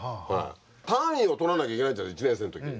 単位を取らなきゃいけないじゃない１年生の時に。